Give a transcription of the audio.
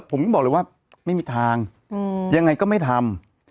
ผมก็บอกเลยว่าไม่มีทางยังไงก็ไม่ทำ